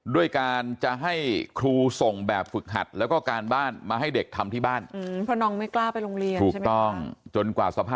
ด้วยการจะให้ครูส่งแบบฝึกหัดแล้วก็การบ้านมาให้เด็กทำที่บ้าน